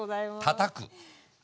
たたく？